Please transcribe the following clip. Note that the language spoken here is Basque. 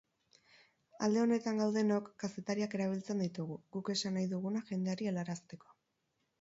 Alde honetan gaudenok kazetariak erabiltzen ditugu, guk esan nahi duguna jendeari helarazteko.